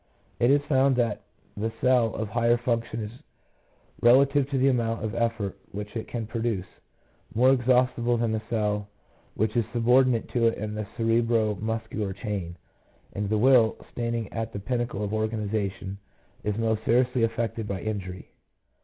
It is found that the cell of higher function is, relative to the amount of effort which it can produce, more exhaustible than the cell which is subordinate to it in the cerebro muscular chain; and the will, standing at the pinnacle of organization, is most seriously affected by injury.